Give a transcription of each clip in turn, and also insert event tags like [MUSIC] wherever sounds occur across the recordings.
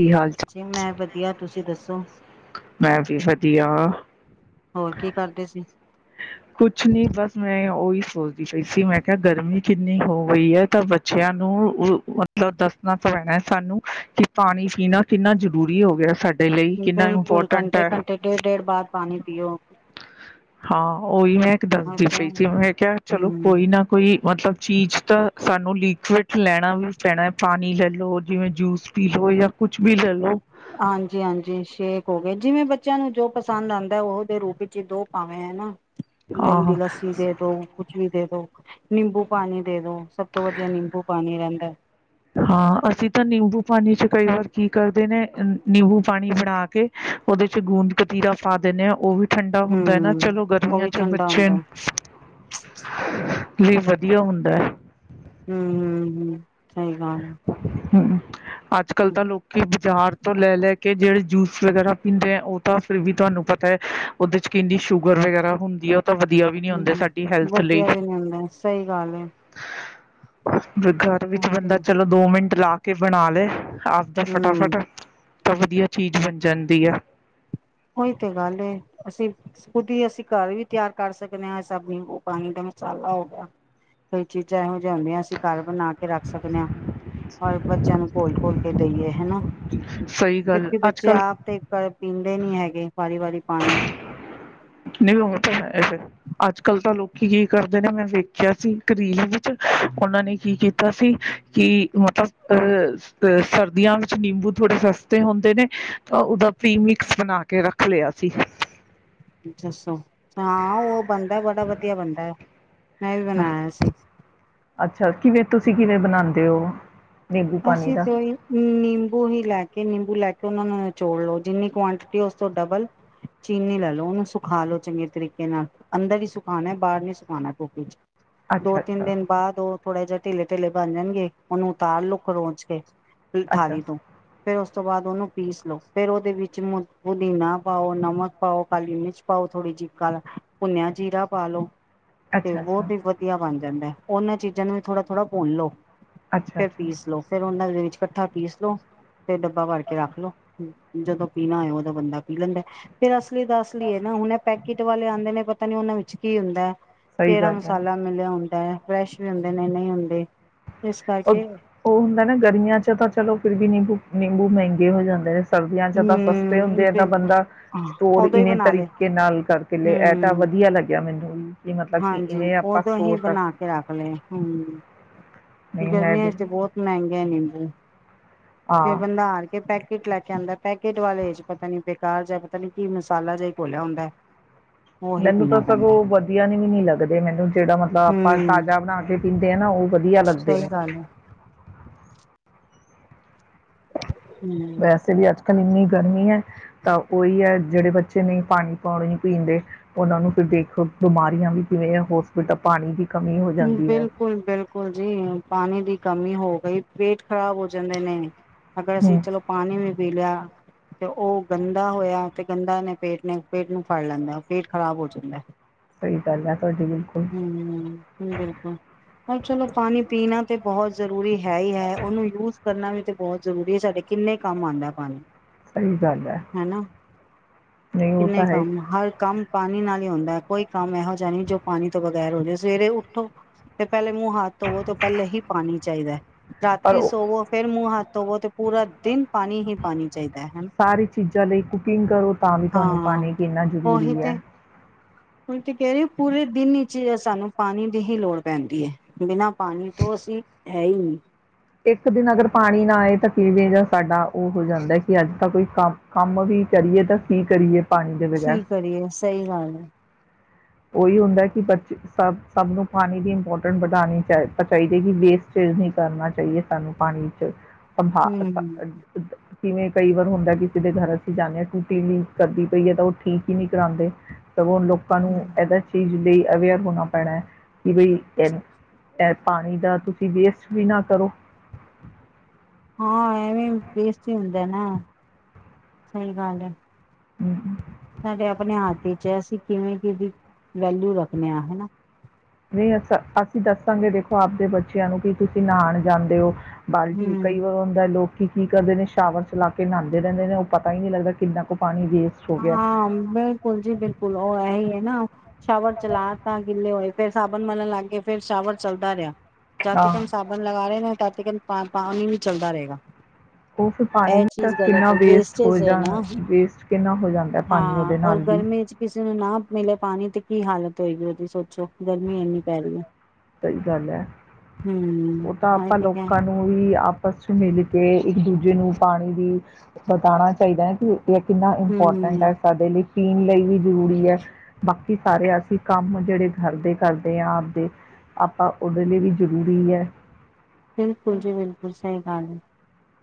ਕੀ ਹਾਲ ਚਾਲ? ਜੀ ਮੈਂ ਵਧੀਆ। ਤੁਸੀ ਦੱਸ ਸੋ? ਮੈਂ ਵੀ ਵਧੀਆ। ਹੋਰ ਕੀ ਕਰਦੇ ਸੀ? ਕੁਛ ਨੀ ਬਸ ਮੈਂ ਔਈ ਸੋਚਦੀ ਪਈ ਸੀ ਮੈਂ ਕਿਆ ਗਰਮੀ ਕਿੰਨੀ ਹੋ ਗਈ ਐ ਪਰ ਬੱਚਿਆਂ ਨੂੰ ਅ ਮਤਲਬ ਦੱਸਣਾ ਪੈਣੈ ਸਾਨੂੰ ਕਿ ਪਾਣੀ ਪੀਣਾ ਕਿੰਨਾ ਜ਼ਰੂਰੀ ਹੋ ਗਿਐ ਸਾਡ ਬਿਲਕੁਲ ਘੰਟੇ-ਘੰਟੇ, ਡੇਢ-ਡੇਢ ਬਾਅਦ ਪਾਣੀ ਪੀਔ। ਹਾਂ, ਔ ਈ ਮੈਂ ਇੱਕ ਦੱਸਦੀ ਪਈ ਸੀ। ਮੈਂ ਕਿਆ ਚਲੋ ਕੋਈ ਨਾ ਕੋਈ ਮਤਲਬ ਚੀਜ਼ ਤਾਂ ਸਾਨੂੰ ਲੀਕੁਵਡ ਲੈਣਾ ਵੀ ਪੈਣੈ। ਪਾਣੀ ਲੈਲਲੋ, ਜਿਵੇਂ ਜੂਸ ਪੀ ਲੋ ਯਾਂ ਕੁਛ ਬੀ ਲੈ ਲੋ ਹਾਂਜੀ-ਹਾਂਜੀ, ਛੇਕ ਹੋ ਗਏ ਜਿਵੇਂ ਬੱਚਿਆਂ ਨੂੰ ਜੋ ਪਸੰਦ ਆਂਦੈ ਔਹ ਔਹਦੇ ਰੂਪ ਇੱਚ ਈ ਦੋ ਭਾਵੇਂ ਹੈ ਨਾ। ਦਹੀਂ ਦੀ ਹਾਂ ਲੱਸੀ ਦੇ ਦੋ ਕੁਛ ਵੀ ਦੇ ਦੋ ਨਿੰਬੂ ਪਾਣੀ ਦੇ ਦੋ ਸਭ ਤੋਂ ਵਧੀਆ ਨਿੰਬੂ ਪਾਣੀ ਰਹਿੰਦਾ। ਹਾਂ ਅਸੀਂ ਤਾਂ ਨਿੰਬੂ ਪਾਣੀ 'ਚ ਕਈ ਵਾਰ ਕੀ ਕਰਦੇ ਨੇ ਨਿੰਬੂ ਪਾਣੀ ਬਣਾ ਕੇ ਉਹਦੇ 'ਚ ਗੂੰਦ ਕਤੀਰਾ ਪਾ ਦਿੰਦੇ ਹਾਂ ਉਹ ਵੀ ਠੰਡਾ ਹੁੰਦਾ ਹੈ ਨਾ ਹੂੰ ਚਲੋ ਉਹ ਗਰਮੀਆਂ ਵੀ 'ਚ ਠੰਡਾ ਬੱਚੇ ਹੁੰਦਾ ਲਈ ਵਧੀਆ ਹੁੰਦਾ ਐ। ਹੂੰ-ਹੂੰ-ਹੂੰ ਸਹੀ ਗੱਲ ਹੈ। ਹੂੰ ਅੱਜ ਕੱਲ ਤਾਂ ਲੋਕੀ ਬਾਜ਼ਾਰ ਤੋਂ ਲੈ ਲੈ ਕੇ ਕਿ ਜਿਹੜੇ ਜੂਸ ਵਗੈਰਾ ਪੀਂਦੇ ਏ, ਉਹ ਤਾਂ ਫਿਰ ਵੀ ਤੁਹਾਨੂੰ ਪਤਾ ਏ, ਉਹਦੇ ਕਿੰਨੀ ਸ਼ੂਗਰ ਵਗੈਰਾ ਹੁੰਦੀ ਏ। ਹੂੰ ਵਧੀਆ ਵੀ ਨੀ ਹੁੰਦਾ ਸਹੀ ਗੱਲ ਏ। ਤੇ ਘਰ ਵਿੱਚ ਉਹੀ ਤੇ ਬੰਦਾ ਚਲੋ ਦੋ ਮਿੰਟ ਲਾ ਕੇ ਬਣਾ ਲਏ ਆਪਦਾ ਹੂੰ ਫਟਾਫਟ ਤਾਂ ਵਧੀਆ ਚੀਜ਼ ਬਣ ਜਾਂਦੀ ਆ। ਉਹੀ ਤੇ ਗੱਲ ਅਸੀਂ ਖੁਦ ਹੀ ਅਸੀਂ ਘਰ ਵੀ ਤਿਆਰ ਕਰ ਸਕਦੇ ਹਾਂ ਸ ਪਾਣੀ ਦਾ ਮਸਾਲਾ ਹੋ ਗਿਆ ਕਈ ਚੀਜ਼ਾਂ ਇਹੋ ਜਾਂਉਂਦੇ ਹ ਅਸੀਂ ਘਰ ਬਣਾ ਕੇ ਰੱਖ ਸਕਦੇ ਹਾਂ ਔਰ ਬੱਚਿਆਂ ਨੂੰ ਘੋਲ ਘੋਲ ਕੇ ਦਹੀਏ। ਹਨਾ ਸਹੀ ਗੱਲ ਕਿਉਂਕਿ ਅੱਜ ਬੱਚੇ ਕੱਲ ਆਪ ਤੇ ਕ ਪੀਣ ਨਹੀਂ ਹੈਗੇ ਵਾਰੀ ਵਰੀ ਪਾਣੀ ਨਹੀਂ ਹੂੰ ਅੱਜ ਕੱਲ ਤਾਂ ਲੋਕੀ ਕੀ ਕਰਦੇ ਨੇ ਮੈਂ ਵੇਖਿਆ ਸੀ ਇਕ ਰੀਲ ਵਿੱਚ ਉਹਨਾਂ ਨੇ ਕੀ ਕੀਤਾ ਸੀ ਕਿ ਮਤਲਬ ਅਹ ਸਰਦੀਆਂ ਵਿੱਚ ਨਿੰਬੂ ਥੋੜੇ ਸਸਤੇ ਹੁੰਦੇ ਨੇ ਤਾਂ ਉਹਦਾ ਪੀ ਮਿਕਸ ਬਣਾ ਕੇ ਰੱਖ ਲਿਆ ਸੀ। ਦੱਸੋ ਹਾਂ ਉਹ ਬਣਦਾ ਬੜਾ ਵਧੀਆ ਬਣਦਾ ਐ। ਫੇਰ ਬਣਾਇਆ ਸੀ। ਅੱਛਾ ਕਿਵੇਂ ਤੁਸੀਂ ਕਿਵੇਂ ਬਣਾਉਂਦੇ ਹੋ ਨਿੰਬੂ ਪਾਣੀ ਅਸੀਂ ਦਾ ਤੇ ਨਿੰਬੂ ਹੀ ਲੈ ਕੇ ਨਿੰਬੂ ਲਾ ਕੇ ਉਹਨਾ ਨੂੰ ਨਿਚੋੜ ਲਓ ਜਿੰਨੀ ਕੁਆਂਟਿਟੀ ਉਸ ਤੋਂ ਡਬਲ ਚੀਨੀ ਲੈ ਲਓ ਓਨੂੰ ਸੁਖਾ ਲੋ ਚੰਗੇ ਤਰੀਕੇ ਨਾਲ ਅੰਦਰ ਹੀ ਸੁਖਾਉਣਾ ਬਾਹਰ ਨੀ ਸੁਖਾਉਣਾ ਧੁਪ 'ਚ ਦੋ ਅੱਛਾ ਤਿੰਨ ਅੱਛਾ ਦਿਨ ਬਾਅਦ ਉਹ ਥੋੜਾ ਜਿਹਾ ਢੇਲੇ ਢੇਲੇ ਬਣ ਜਾਣਗੇ ਉਹਨੂੰ ਉਤਾਰ ਲੋ। ਖੋਂਰਚ ਕੇ ਫੇਰ ਅੱਛਾ ਥਾਲੀ ਤੋਂ ਫੇਰ ਉਸ ਤੋਂ ਬਾਅਦ ਉਹਨੂੰ ਪੀਸ ਲੋੋ ਫੇਰ ਉਹਦੇ ਵਿੱਚ ਪੁਦੀਨਾ ਪਾਓ, ਨਮਕ ਪਾਓ ਕਾਲੀ ਮਿਰਚ ਪਾਓ, ਥੋੜ੍ਹੀ ਜਿ ਕ ਭੁੰਨਿਆ ਜੀਰਾ ਪਾ ਲਓ। ਤੇ ਅੱਛਾ ਅੱਛਾ ਬਹੁਤ ਹੀ ਵਧੀਆ ਬਣ ਜਾਂਦਾ ਐ। ਉਹਨਾਂ ਚੀਜ਼ਾਂ ਨੂੰ ਵੀ ਥੋੜ੍ਹਾ ਥੋੜ੍ਹਾ ਭੁੰਨ ਲੋ। ਅੱਛਾ -ਅੱਛਾ-ਅੱਛਾ ਫੇਰ ਉਹਨਾਂ ਦੇ ਵਿੱਚ ਇਕੱਠਾ ਪੀਸ ਲੋ। ਫਿਰ ਡੱਬਾ ਭਰ ਕੇ ਰੱਖ ਲਓ। ਜਦੋਂ ਪੀਣਾ ਹੋ ਉਦੋਂ ਬੰਦਾ ਪੀ ਲੈਂਦਾ ਫੇਰ ਅ ਇਸ ਲਈ ਦੱਸ ਲਈਏ ਨਾ ਹੁਣ ਪੈਕਟ ਵਾਲੇ ਆਉਂਦੇ ਨੇ ਪਤਾ ਨੀ ਉਹਨਾਂ ਵਿੱਚ ਕੀ ਹੁੰਦਾ ਸਹੀ ਕਿਹੜਾ ਗੱਲ ਹੈ ਮਸਾਲਾ ਮਿਲਿਆ ਹੁੰਦਾ ਹੈ। ਫਰੈਸ਼ ਵੀ ਹੁੰਦੇ ਨੇ ਨਹੀਂ ਹੁੰਦੇ। ਇਸ ਉਹ ਕਰਕੇ। ਉਹ ਹੁੰਦਾ ਨਾ ਗਰਮੀਆਂ ਚ ਤਾਂ ਚਲੋ ਫਿਰ ਵੀ ਨੀ ਭੁਕ। ਮਹਿੰਗੇ ਹੋ ਜਾਂਦੇ ਨੇ। ਸਰਦੀਆਂ ਚਦ ਸਸਤੇ ਹਮ ਹੁੰਦੇ ਆ ਤਾਂ ਬਿਲਕੁਲ ਬੰਦਾ ਸਟੋਰ ਉਦੋਂ ਹੀ ਇਵੇਂ ਬਣਾ ਲਏ ਤਰੀਕੇ ਨਾਲ ਕਰਕੇ ਲੈ ਇਹ ਤਾਂ ਹਮ ਵਧੀਆ ਲੱਗਿਆ ਮੈਨੂੰ ਵੀ ਕਿ ਮਤਲਬ ਕਿ ਹਾਂਜੀ ਇਵੇਂ ਆਪਾਂ ਉਦੋਂ ਹੀ ਸਟੋਰ ਕਰ ਬਣਾ ਸਕਦੇ ਆ। ਕੇ ਰੱਖ ਲਏ ਹਮ ਗਰਮੀਆਂ ਚ ਤੇ ਬਹੁਤ ਮਹਿੰਗੇ ਹੈ ਨਿੰਬੂ। ਫਿਰ ਹਾਂ ਬੰਦਾ ਆਾਰ ਕੇ ਪੈਕ ਲੈ ਕੇ ਅੰਦਰ। ਪੈਕੇਟ ਵਾਲੇ ਚ ਪਤਾ ਨੀ ਬੇਕਾਰ ਜਾਂ ਪਤਾ ਨੀ ਕੀ ਮਸਾਲਾ ਜਿ ਕੋਲਿਆ ਹੁੰਦਾ ਹੈ। ਮੈਨੂੰ ਤਾਂ ਸਰ ਉਹ ਵਧੀਆ ਨੀ ਵੀ ਨੀ ਲੱਗਦੇ ਮੈਨੂੰ ਜਿਹੜਾ ਮਤਲਬ ਆਪਾਂ ਹਮ ਤਾਜ਼ਾ ਬਣਾ ਕੇ ਪੀਂਦੇਆ। [UNINTELLIGIBLE] ਵਧੀਆ ਲੱਗਦੇ ਸਹੀ ਨੇ। ਗੱਲ ਹੈ ਹਮ ਵੈਸੇ ਵੀ ਅੱਜ ਕੱਲ ਇੰਨੀ ਗਰਮੀ ਹੈ। ਤਾਂ ਉਹੀ ਹੈ। ਜਿਹੜੇ ਬੱਚੇ ਨੇ ਪਾਣੀ ਪਾਉਣੀ ਹੀ ਪੀਂਦੇ। ਉਹਨਾਂ ਨੂੰ ਫਿਰ ਦੇਖੋ ਬਿਮਾਰੀਆਂ ਵੀ ਕਿਵੇਂ ਹੋਸਪਿਟਲ ਪਾਣੀ ਦੀ। ਕਮੀ ਹੋ ਜਾਂਦੀ ਹੈ ਬਿਲਕੁਲ ਬਿਲਕੁਲ ਜੀ ਪਾਣੀ ਦੀ ਕਮੀ। ਹੋ ਗਈ ਪੇਟ ਖ਼ਰਾਬ ਹੋ ਜਾਂਦੇ ਨੇ। ਅਗਰ ਅਸੀਂ ਹੂੰ ਚਲੋ ਪਾਣੀ ਵੀ ਪੀ ਲਿਆ। ਤੇ ਉਹ ਗੰਦਾ ਹੋਇਆ ਤੇ ਗੰਦਾ ਨੇ ਪੇਟ, ਨੇ ਪੇਟ ਨੂੰ ਫੜ ਲੈਂਦਾ ਪੇਟ ਖ਼ਰਾਬ ਹੋ ਜਾਂਦਾ। ਸਹੀ ਗੱਲ ਆ ਤੁਹਾਡੀ। ਬਿਲਕੁਲ। ਹਮ ਬਿਲਕੁਲ ਪਰ ਚਲੋ ਪਾਣੀ ਪੀਣਾ ਤੇ। ਬਹੁਤ ਜ਼ਰੂਰੀ ਹੈ। ਹੈ ਹੀ ਹੈ ਉਹਨੂੰ ਯੂਜ ਕਰਨਾ ਵੀ ਤੇ ਬਹੁਤ ਜ਼ਰੂਰੀ ਹੈ। ਸਾਡੇ ਕਿੰਨੇ ਕੰਮ ਆਉਂਦਾ ਪਾਣੀ। ਸਹੀ ਗੱਲ ਹੈ ਹਨਾ ਨਹੀਂ ਉਹ ਕਿੰਨੇ ਤਾਂ ਹੈ ਕੰਮ ਹਰ ਕੰਮ ਪਾਣੀ ਨਾਲ ਹੋੜਾ ਵੀ। ਹੁੰਦਾ ਕੋਈ ਕੰਮ ਇਹੋ ਜਿਹਾ ਨਹੀਂ ਜੋ ਪਾਣੀ ਤੋਂ ਬਗੈਰ ਹੋ ਜਾਵੇ ਸਵੇਰੇ ਉੱਠਕ। ਠ ਤੇ ਪਹਿਲੇ ਮੂੰਹ ਹੱਥ ਧੋਵੋ ਤੇ ਪਹਿਲੇ ਹੀ ਪਾਣੀ ਚਾਹੀਦਾ। ਪਰ ਰਾਤੀ ਉਹ ਸੋਵੋ ਫੇਿਰ ਮੂੰਹ ਹੱਥ ਬਹੁ ਤੇ ਪੂਰਾ ਦਿਨ। ਪਾਣੀ ਹੀ ਪਾਣੀ ਚਾਹੀਦਾ ਹੈ ਸਾਰੀ ਚੀਜ਼ਾਂ ਲਈ ਕੁਕਿੰਗ ਕਰੋ ਤਾਂ ਵੀ ਤੁਹਾਨੂੰ ਪਾਣੀ ਕਿੰਨਾ ਜ਼ਰੂਰੀ ਹੈ ਹੁ ਤੇ ਕਹਿ ਰਹੀ ਪੂਰੇ ਦਿਨ ਹੀ ਚ ਸਾਨੂੰ ਪਾਣੀ ਦੀ ਹੀ ਲੋੜ ਪੈਂਦੀ ਹੈ ਬਿਨਾਂ ਪਾਣੀ ਤੋਂ ਅਸੀਂ ਹੈ ਹੀ ਨਹੀ ਇੱਕ ਦਿਨ ਅਗਰ ਪਾਣੀ ਨਾ ਆਏ ਤਾਂ ਕਿਵੇਂ ਜਾਂ ਸਾਡਾ ਉਹ ਹੋ ਜਾਂਦਾ ਕਿ ਅੱਜ ਤਾਂ ਕੋਈ ਕੰਮ ਕੰਮ ਵੀ ਕਰੀਏ ਤਾਂ ਕੀ ਕਰੀਏ ਪਾਣੀ ਦੇ ਬਗੈਰ ਕੀ ਕਰੀਏ ਸਹੀ ਗੱਲ ਹੈ ਉਹੀ ਹੁੰਦਾ ਕਿ ਬੱਚੇ ਸਭ ਸਭ ਨੂੰ ਪਾਣੀ ਦੀ ਇੰਪੋਰਟੈਂਟ ਵਧਉਣੀ ਚਾ ਚਾਹੀਦੀ ਹੈ ਕਿ ਵੇਸਟੇਜ ਨਹੀਂ ਕਰਨਾ ਚਾਹੀਏ ਸਾਨੂੰ ਪਾਣੀ ਚ ਹਾ ਹਮ [INAUDIBLE] ਜਿਵੇਂ ਕਈ ਵਾਰ ਹੁੰਦਾ ਕਿਸੇ ਦੇ ਘਰ ਅਸੀਂ ਜਾਂਦੇ ਹਾਂ ਟੂਟੀ ਨੀ ਕਰਦੀ ਪਈ ਹੈ ਤਾਂ ਉਹ ਠੀਕ ਹੀ ਨਹੀਂ ਕਰਾਉਂਦੇ ਸਗੋਂ ਲੋਕਾਂ ਨੂੰ ਚੀਜ਼ ਲਈ ਅਵੇਅਰ ਹੋਣਾ ਪੈਣਾ ਹੈ ਕਿ ਬਈ ਇਹ ਪਾਣੀ ਦਾ ਤੁਸੀਂ ਵੇਸਟ ਵੀ ਨਾ ਕਰੋ ਹਾਂ ਐਵੇਂ ਵੇਸਟ ਹੀ ਹੁੰਦਾ ਨਾ ਸਹੀ ਗੱਲ ਹੈ ਹਮ, ਸਾਡੇ ਆਪਣੇ ਹੱਥ ਵਿਚ ਹੈ, ਅਸੀਂ ਕਿਵੇਂ ਕਿਦੀ ਵੈਲਊ ਰੱਖਣੇ ਆ ਹੈਨਾ ਨਹੀਂ ਅ ਅਸੀਂ ਦੱਸਾਂਗੇ ਦੇਖੋ ਆਪਦੇ ਬੱਚਿਆਂ ਨੂੰ ਕੀ ਤੁਸੀਂ ਨਹਾਉਣ ਜਾਂਦੇ ਹੋ ਬਾਲਟੀ ਕਈ ਹੂੰ। ਵਾਰ ਹੁੰਦਾ ਲੋਕ ਕੀ ਕੀ ਕਰਦੇ ਨੇ ਸ਼ਾਵਰ ਚਲਾ ਕੇ ਨਹਾਉਦੇ ਰਹਿੰਦੇ ਨੇ ਉਹ ਪਤਾ ਹੀ ਨਹੀਂ ਲੱਗਦਾ ਕਿੰਨਾ ਕੁ ਪਾਣੀ ਵੇਸਟ ਹੋ ਗਿਆ ਹਾਂ ਬਿਲਕੁਲ ਜੀ ਬਿਲਕੁਲ ਉਹ ਇਹੀ ਹੈ ਨਾ ਸ਼ੋਵਰ ਚਲਾ ਤਾ ਗਿੱਲੇ ਹੋਏ ਫਿਰ ਸਾਬਣ ਮਨਣ ਲੱਗ ਗਏ ਫੇਿਰ ਸ਼ਾਵਰ ਚੱਲਦਾ ਰਿਹਾ ਜਾਤ ਹਾਂ ਟਿਕਣ ਸਾਬਣ ਲਗਾ ਰਹੇ ਨੇ ਤਦ ਟਿਕਨ ਪਾਣੀ ਵੀ ਚੱਲਦਾ ਰਹੇਗਾ ਉਹ ਫਿਰ ਪਾਣੀ ਇਹ ਵੀ ਤਾਂ ਚੀਜ਼ ਗਲਤ ਕਿੰਨਾ ਹੈ ਵੇਸਟ ਹੋ ਵੇਸਟੇਜ ਹੈ ਜਾਣਾ ਨਾ ਵੇਸਟ ਕਿੰਨਾ ਹੋ ਜਾਂਦਾ ਹੈ ਪਾਣੀ ਹਾਂ ਉਹਦੇ ਔਰ ਨਾਲ ਵੀ ਗਰਮੀ ਚ ਕਿਸੇ ਨੂੰ ਨਾ ਮਿਲੇ ਪਾਣੀ ਤੇ ਕੀ ਹਾਲਤ ਹੋਏਗੀ ਉਹਦੀ ਸੋਚੋ ਗਰਮੀ ਇੰਨੀ ਪੈ ਰਹੀ ਹੈ ਸਹੀ ਗੱਲ ਹੈ ਹੂੰ। ਉਹ ਤਾਂ ਹਾਂ ਆਪਾਂ ਤੇ ਕਿਆ ਲੋਕਾਂ ਨੂੰ ਵੀ ਆਪਸ ਚ ਮਿਲ ਕੇ ਇੱਕ ਦੂਜੇ ਨੂੰ ਪਾਣੀ ਦੀ ਸਤਾਉਣਾ ਚਾਹੀਦਾ ਹੈ ਕਿ ਕਿੰਨਾ ਇੰਪੋਰਟੈਂਟ ਹੂੰ ਹੈ ਸਾਡੇ ਲਈ ਪੀਣ ਲਈ ਵੀ ਜ਼ਰੂਰੀ ਹੈ ਬਾਕੀ ਸਾਰੇ ਅਸੀਂ ਕੰਮ ਜਿਹੜੇ ਘਰ ਦੇ ਕਰਦੇ ਹਾਂ ਆਪਦੇ ਆਪਾਂ ਔਦੇ ਲਈ ਵੀ ਜ਼ਰੂਰੀ ਹੈ ਬਿਲਕੁਲ ਜੀ ਬਿਲਕੁਲ ਜੀ ਸਹੀ ਗੱਲ ਏ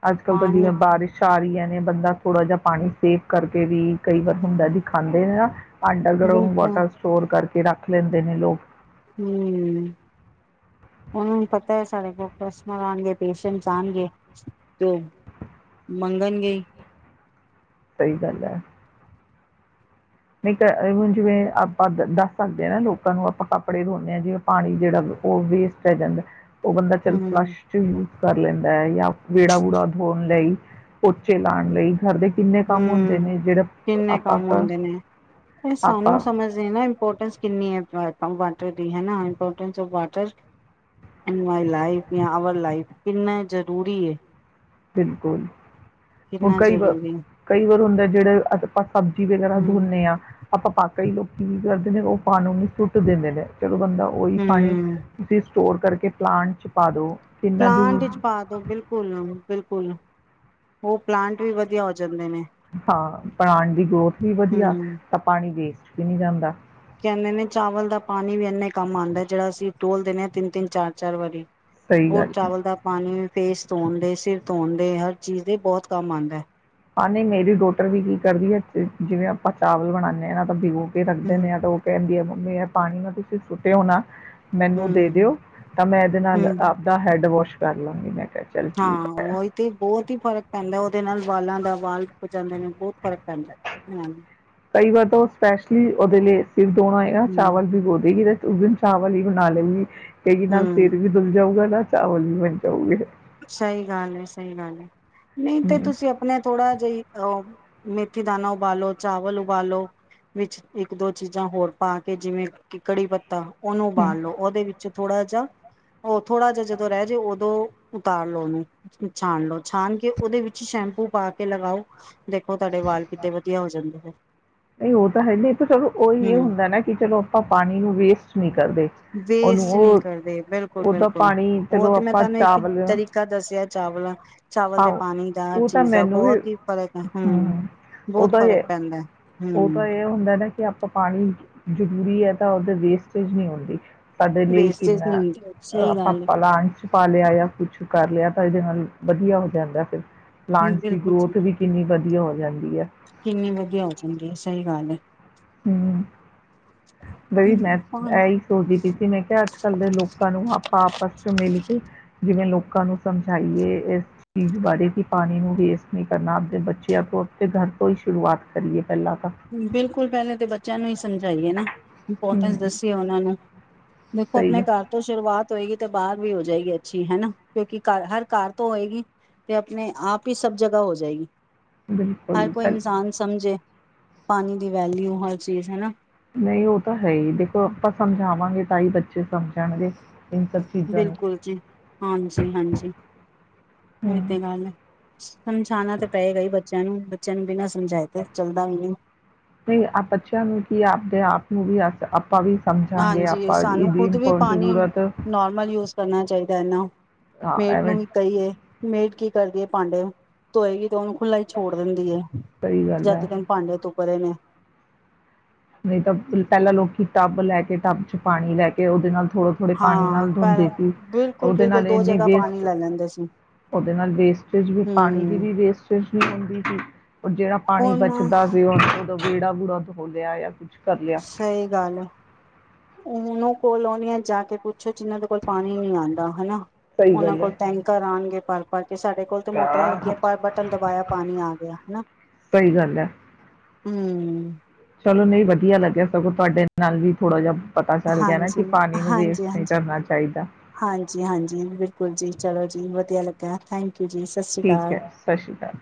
ਅੱਜ ਕੱਲ ਤਾਂ ਜਿਵੇਂ ਬਾਰਿਸ਼ ਆ ਰਹੀਆਂ ਨੇ ਬੰਦਾ ਥੋੜਾ ਜਹਾ ਪਾਣੀ ਸੇਵ ਕਰਕੇ ਵੀ ਕਈ ਵਾਰ ਹੁੰਦਾ ਜੀ ਹਾਂ ਦਿਖਾਂਦੇ ਨੇ ਨਾ ਅੰਡਰਗਰਾਊਂਡ ਬਿਲਕੁਲ ਵਾਟਰ ਸਟੋਰ ਕਰਕੇ ਤੇ ਰੱਖ ਲੈਂਦੇ ਨੇ ਲੋਕ ਹੂ ਉਹਨਾਂ ਨੂੰ ਪਤਾ ਹੈ ਸਾਡੇ ਕੋਲ ਕਸਟਮਰ ਆਉਣਗੇ ਪੇਸ਼ੈਂਟਸ ਆਉਣਗੇ ਤੇ ਮੰਗਣਗੇ ਹੀ। ਸਹੀ ਗੱਲ ਐ। ਨਹੀਂ ਤਾਂ ਐਵੇਂ ਜਿਵੇਂ ਆਪਾਂ ਦੱਸ ਸਕਦੇ ਹਾਂ ਨਾ ਲੋਕਾਂ ਨੂੰ ਆਪਾਂ ਕੱਪੜੇ ਧੋਂਦੇ ਹਾਂ ਜਿਵੇਂ ਪਾਣੀ ਜਿਹੜਾ ਉਹ ਵੇਸਟ ਹੈ ਜਾਂਦਾ। ਉਹ ਬੰਦਾ ਚੱਲ ਫਲਸ਼ ਹਮ ਚ ਯੂਜ ਕਰ ਲੈਂਦਾ ਹੈ ਜਾਂ ਵਿਹੜਾ- ਵੂਹੜਾ ਧੋਣ ਲਈ। ਪੋਚੇ ਲਾਉਣ ਲਈ। ਘਰ ਦੇ ਕਿੰਨੇ ਕੰਮ ਹੁੰਦੇ ਹਮ ਨੇ ਜਿਹੜੇ ਕਿੰਨੇ ਆਪਾਂ ਕੰਮ ਆਉਂਦੇ ਨੇ ਇਹ ਸਾਨੂੰ ਆਪਾਂ ਸਮਝਦੇ ਨਾ ਇੰਪੋਰਟੈਂਸ ਕਿੰਨੀ ਐ ਵਾਟਰ ਦੀ ਹਨਾਂ importance of water in my life ਯਾ ਅਵਰ ਲਾਈਫ ਕਿੰਨੇ ਜਰੂਰੀ ਏ। ਬਿਲਕੁਲ ਹੁਣ ਕਈ ਵਾਰ, ਜ਼ਰੂਰੀ ਕਈ ਵਾਰ ਹੁੰਦਾ ਜਿਹੜੇ ਆਪਾਂ ਸਬਜ਼ੀ ਵਗੈਰਾ ਹਮ ਧੋਂਨੇ ਆ ਆਪਾਂ ਕਈ ਲੋਕੀ ਦਰਦੇ ਨੇ ਉਹ ਪਾਾਨੀ ਨੂੰ ਸੁੱਟ ਦਿੰਦੇ ਨੇ। ਤੋ ਬੰਦਾ ਉਹੀ ਪਾਣੀ ਹਮ ਤੁਸੀਂ ਸਟੋਰ ਕਰਕੇ ਪਲਾਂਟ ਚ ਪਾ ਦੋ। ਪਲਾਂਟ ਵਿੱਚ ਪਾ ਦੋ ਬਿਲਕੁਲ, ਬਿਲਕੁਲ। ਬਿਲਕੁਲ ਉਹ ਪਲਾਂਟ ਵੀ ਵਧੀਆ ਹੋ ਜਾਂਦੇ ਨੇ। ਹਾਂ ਪਲਾਂਟ ਦੀ ਗਰੋਥ ਵੀ ਵਧੀਆ, ਹਮ ਤਾਂ ਪਾਣੀ ਵੇਸ ਵੀ ਨੀ ਜਾਂਦਾ। ਕਹਿੰਦੇ ਨੇ ਚਾਵਲ ਦਾ ਪਾਣੀ ਵੀ ਇੰਨੇ ਕੰਮ ਆਂਦਾ ਜਿਹੜਾ ਅਸੀਂ ਟੋਲ ਦਿੰਨੇ ਆ ਤਿੰਨ-ਤਿੰਨ ਚਾਰ-ਚਾਰ ਵਾਰੀ। ਸਹੀ ਹੋਰ ਗੱਲ ਹੈ ਚਾਵਲ ਦਾ ਪਾਣੀ ਫੇਸ ਧੋਣ ਦੇ, ਸਿਰ ਧੋਣ ਦੇ ਹਰ ਚੀਜ਼ ਦੇ ਬਹੁਤ ਕੰਮ ਆਂਦਾ। ਹਾਂ ਨਹੀਂ ਮੇਰੀ ਡੋਟਰ ਵੀ ਕੀ ਕਰਦੀ ਏ ਜਿਵੇਂ ਆਪਾਂ ਚਾਵਲ ਬਣਾਨੇ ਹਾਂ ਨਾ ਤਾਂ ਬਿਗੋ ਕੇ ਰੱਖਦੇ ਹਮ। ਨੇ ਆ ਤਾਂ ਉਹ ਕਹਿੰਦੀ ਆ ਵੀ ਇਹ ਪਾਣੀ ਨਾਲ ਤੁਸੀਂ ਸੁੱਟਿਓ ਨਾ। ਮੈਨੂੰ ਦੇ ਹਮ ਦਿਓ, ਤਾਂ ਮੈਂ ਇਹਦੇ ਨਾਲ ਹਮ ਆਪਦਾ ਹੈੱਡ ਵਾਸ਼ ਕਰ ਲਵਾਂਗੀ, ਮੈਂ ਕਿਹਾ ਚੱਲ ਹਾਂ ਠੀਕ ਏ। ਉਹੀ ਤੇ ਬਹੁਤ ਹੀ ਫ਼ਰਕ ਪੈਂਦਾ ਉਹਦੇ ਨਾਲ ਵਾਲਾਂ ਦਾ ਵਾਲ ਰੁੱਕ ਜਾਂਦੇ ਨੇ ਬਹੁਤ ਫਰਕ ਪੈਂਦਾ ਹਾਂਜੀ। ਕਈ ਵਾਰ ਤਾਂ ਉਹ ਸਪੈਸ਼ਲੀ ਉਹਦੇ ਲਈ ਫਿਰ ਦੋਣਾ ਹੈਗਾ ਚਾਵਲ ਬਿਗੋ ਦੇਗੀ। ਉਸ ਦਿਨ ਚਾਵਲ ਹੀ ਬਣਾ ਲਏਗੀ। ਕਹੇਗੀ ਨਾਲ ਹਮ ਸਿਰ ਵੀ ਦੁਲ ਜਾਊਗਾ। ਨਾਲ ਚਾਵਲ ਵੀ ਮਿਲ ਜਾਊਗੇ। ਸਹੀ ਗੱਲ ਐ, ਸਹੀ ਗੱਲ ਐ, ਨਹੀਂ ਤੇ ਹੂੰ ਤੁਸੀਂ ਆਪਣਾ ਥੋੜਾ ਜਿਹੀ ਉਹ ਮੇਥੀ ਦਾਾਨਾ ਉਬਾਲੋ, ਚਾਵਲ ਉਬਾਲੋ ਵਿੱਚ ਇੱਕ-ਦੋ ਚੀਜ਼ਾਂ ਹੋਰ ਪਾ ਕੇ ਜਿਵੇਂ ਕਿ ਕੜੀ ਪੱਤਾ ਉਹਨੂੰ ਹੂੰ ਉਬਾਲ ਲਓ ਉਹਦੇ ਵਿੱਚ ਥੋੜਾ ਜਹਾ ਉਹ ਥੋੜਾ ਜਹਾ ਜਦੋਂ ਰਹਿ ਜੇ ਉਦੋਂ, ਉਤਾਰ ਲੋਓ, ਉਹਨੂੰ ਛਾਣ ਲੋਓ ਛਾਣ ਕੇ ਉਹਦੇ ਵਿੱਚ ਸ਼ੈਂਪੂ ਪਾ ਕੇ ਲਗਾਓ। ਦੇਖੋ ਤੁਹਾਡੇ ਵਾਲ ਕਿੱਡੇ ਵਧੀਆ ਹੋ ਜਾਂਦੇ ਨੇ ਨਹੀਂ ਉਹ ਤਾਂ ਹੈ, ਨਹੀਂ ਤਾਂ ਚਲੋ ਉਹੀ ਇਹ ਹੂੰ ਹੁੰਦਾ ਨਾ ਕਿ ਚਲੋ ਆਪਾਂ ਪਾਣੀ ਨੂੰ ਵੇਸ ਵੇਸਟ ਨਹੀਂ ਕਰਦੇ ਬਿਲਕੁਲ ਉਹਦਾ ਬਿਲਕੁਲ ਪਾਣੀ ਉਹ ਚਲੋ ਤੇ ਮੈਂ ਆਪਾਂ ਤੁਹਾਨੂੰ ਇੱਕ ਚਾਵਲ ਤਰੀਕਾ ਦੱਸਿਆ। ਚਾਵਲ, ਚਾਵਲ ਦੇ ਪਾਓ ਪਾਣੀ ਦਾ ਉਹ ਤਾਂ ਚੀਜ਼ ਦਾ ਮੈਨੂੰ ਵੀ ਬਹੁਤ ਹੀ ਫ਼ਰਕ ਹੂੰ, ਉਹ ਬਹੁਤ ਤਾਂ ਫ਼ਰਕ ਇਹ ਪੈਂਦਾ ਉਹ ਤਾਂ ਹੂੰ, ਇਹ ਹੁੰਦਾ ਨਾ ਕਿ ਆਪਾਂ ਪਾਣੀ ਜ਼ਰੂਰੀ ਹੈ, ਤਾਂ ਉਹਦੇ ਵੇਸਟੇਜ ਨਹੀਂ ਹੁੰਦੀ। ਤੁਹਾਡੇ ਲਈ ਵੇਸਟੇਜ ਨਹੀਂ ਕਿਨਾ ਹੁੰਦੀ ਸਹੀ ਗੱਲ ਆਪਾ ਲਾਣ ਚ ਪਾ ਲਿਆ ਆ ਕੁਛ ਕਰ ਲਿਆ ਤਾਂ ਇਹਦੇ ਹੁਣ, ਵਧੀਆ ਹੋ ਜਾਂਦਾ ਫਿਰ ਹੈ ਪਲਾਂਟਸ ਦੀ ਬਿਲਕੁਲ ਜੀ ਗਰੋਥ ਵੀ ਕਿੰਨੀ ਵਧੀਆ ਹੋ ਜਾਂਦੀ ਹੈ ਕਿੰਨੀ ਵਧੀਆ ਹੋ ਜਾਂਦੀ ਹੈ ਸਹੀ ਗੱਲ ਐ। ਹੂੰ, ਬਈ ਮੈਂ ਹੂੰ ਇਹੀ ਸੋਚਦੀ ਪਈ ਸੀ, ਮੈਂ ਕਿਹਾ ਅੱਜ ਕੱਲ੍ਹ ਦੇ ਲੋਕਾਂ ਨੂੰ ਆਪਾਂ ਆਪਸ ਚ ਮਿਲ ਕੇ ਜਿਵੇਂ ਲੋਕ ਲੋਕਾਂ ਨੂੰ ਸਮਝਾਈਏ ਇਸ ਚੀਜ਼ ਵਾਰੇ ਕੀ ਪਾਣੀ ਨੂੰ ਵੇਸਟ ਨਹੀਂ, ਕਰਨਾ ਆਪਦੇ ਬੱਚਿਆਂ ਆਪੋ ਆਪੇ ਘਰ ਤੋਂ ਹੀ ਸ਼ੁਰੂਆਤ ਕਰੀਏ। ਪਹਿਲਾਂ ਤਾਂ ਬਿਲਕੁਲ ਬੈ ਤੇ ਬੱਚਿਆਂ ਨੂੰ ਹੀ ਸਮਝਾਈਏ ਨਾ ਇੰਪੋਰਟੈਂਸ ਹੂੰ ਦੱਸੀਏ, ਉਹਨਾਂ ਨੂੰ ਦੇਖੋ ਸਹੀ ਆਪਣੇ ਗੱਲ ਘਰ ਤੋਂ ਸ਼ੁਰੂਆਤ ਹੋਏਗੀ। ਤੇ ਬਾਹਰ ਵੀ ਹੋ ਜਾਏਗੀ ਅੱਛੀ ਹਨਾ, ਕਿਉਂਕਿ ਘਰ ਹਰ ਤੋਂ ਹੋਏਗੀ ਤੇ ਆਪਣੇ ਆਪ ਹੀ ਸਭ ਜਗ੍ਹਾ ਹੋ ਜਾਏਗੀ। ਹਰ ਬਿਲਕੁਲ ਕੋਈ ਪਹਿਲ ਇਨਸਾਨ ਸਮਝੇ। ਪਾਣੀ ਦੀ ਵੈਲਿਊ ਹਰ ਚੀਜ਼ ਹਨਾ। ਨਹੀਂ ਉਹ ਤਾਂ ਹੈ ਹੀ ਦੇਖੋ, ਆਪਾਂ ਸਮਝਾਵਾਂਗੇ ਤਾਂ ਹੀ ਬੱਚੇ ਸਮਝਣਗੇ। ਇਨ ਸਭ ਚੀਜ਼ਾਂ ਨੂੰ ਬਿਲਕੁਲ ਜੀ ਹਾਂਜੀ ਹਾਂਜੀ ਉਹੀ ਹੂੰ ਤੇ ਗੱਲ ਐ। ਸਮਝਾਉਣਾ, ਤਾਂ ਪਏਗਾ ਹੀ ਬੱਚਿਆਂ ਨੂੰ ਬੱਚਿਆਂ ਨੂੰ ਬਿਨਾਂ ਸਮਝਾਏ ਤੇ ਚੱਲਦਾ ਵੀ ਨਹੀਂ ਨਹੀਂ ਬੱਚਿਆਂ ਨੂੰ ਕੀ ਆਪਦੇ ਆਪ ਨੂੰ ਵੀ ਅ ਆਪਾਂ ਵੀ ਸਮਝਾਂਗੇ ਹਾਂਜੀ ਆਪਾਂ ਸਾਨੂੰ ਇਹਦੀ ਖੁਦ ਇਮ ਵੀ ਪਾਣੀ ਜ਼ਰੂਰਤ ਨੋਰਮਲ ਯੂਜ ਕਰਨਾ ਚਾਹੀਦਾ ਹੈ, ਨਾ ਹਾਂ ਮੇੜ ਐਵੇਂ ਨੂੰ ਵੀ ਕਹੀਏ ਮੇੜ, ਕੀ ਕਰਦੀਏ ਭਾਂਡੇ ਧੋਏਗੀ ਤੇ ਉਹਨੂੰ, ਖੁਲਾ ਈ ਛੋੜ ਦਿੰਦੀ ਹੈ, ਸਹੀ ਗੱਲ ਜਦ ਹੈ ਤਕ ਭਾਂਡੇ ਤੋਂ [UNINTELLIGIBLE] ਨਹੀਂ ਤਾਂ ਪਹਿਲਾਂ ਲੋਕੀ ਟੱਬ ਲੈ ਕੇ ਟੱਬ ਚ ਪਾਣੀ ਲੈ ਕੇ ਉਹਦੇ ਨਾਲ ਥੋੜੇ ਥੋੜੇ ਪਾਣੀ ਹਾਂ ਨਾਲ ਪਰ ਧੋਂਦੇ ਸੀ, ਉਹਦੇ ਬਿਲਕੁਲ-ਬਿਲਕੁਲ ਨਾਲ ਦੋ ਇੰਨੀ ਜਗ੍ਹਾ ਪਾਣੀ ਵੇਸਟ ਲੈ ਲੈਂਦੇ ਸੀ ਉਹਦੇ ਨਾਲ ਵੇਸਟੇਜ ਵੀ ਪਾਣੀ ਦੀ ਹੂੰ ਵੀ ਵੇਸਟੇਜ ਵੀ ਹੁੰਦੀ ਸੀ। ਜਿਹੜਾ ਪਾਣੀ ਉਹਨਾਂ ਬਚਦਾ ਸੀ ਉਹ ਬੇਹੜਾ ਬੂੜਾ ਧੋ ਲਿਆ ਕੁਛ ਕਰ ਲਿਆ। ਸਹੀ ਗੱਲ ਹੈ ਉਹਨੂੰ ਕੋਲੋਨੀਆ ਜਾ ਕੇ ਪੁੱਛ ਪੁੱਛੋ ਜਿਨਾਂ ਦੇ ਕੋਲ ਪਾਣੀ ਨੀ ਆਉਂਦਾ ਹਨਾ ਸਹੀ ਉਹਨਾਂ ਗੱਲ ਕੋਲ ਹੈ। ਟੈਂਕਰ ਆਉਣਗੇ [UNINTELLIGIBLE] ਤੇ ਸਾਡੇ ਕੋਲ ਤਾਂ ਮੋਟਰਾਂ ਲੱਗੀਆਂ ਪਰ ਬਟਨ ਦਬਾਇਆ ਪਾਣੀ ਆ ਗਿਆ ਹਨਾ ਸਹੀ ਗੱਲ ਹੈ। ਹਮ ਚਲੋ ਨਹੀਂ ਵਧੀਆ ਲੱਗਿਆ ਸਗੋਂ ਤੁਹਾਡੇ ਨਾਲ ਵੀ ਥੋੜ੍ਹਾ ਜਿਹਾ ਪਤਾ ਚੱਲ ਗਿਆ ਨਾ ਹਾਂਜੀ ਕਿ ਪਾਣੀ ਨੂੰ ਹਾਂਜੀ ਵੇਸਟ ਨਹੀਂ ਹਾਂਜੀ ਕਰਨਾ ਚਾਹੀਦਾ। ਹਾਂਜੀ ਹਾਂਜੀ ਬਿਲਕੁਲ ਜੀ ਚਲੋ ਜੀ ਵਧੀਆ ਲੱਗਾ ਥੈਂਕ ਯੂ ਜੀ ਸਤਿ ਸ਼੍ਰੀ ਠੀਕ ਅਕਾਲ। ਹੈ ਸਤਿ ਸ਼੍ਰੀ ਅਕਾਲ